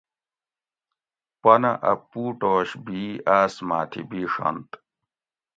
پنہ اَ پوٹوش بھی آۤس ما تھی بیڛنت